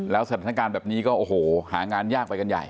แล้วสัญลักษณ์การแบบนี้โอ้โหหหางานยากไปกันใหญ่